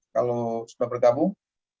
kalau sudah bergabung